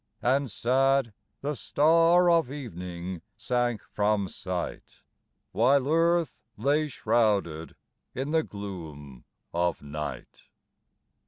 And sad the Star of Evening sank from sight, While Earth lay shrouded in the gloom of night.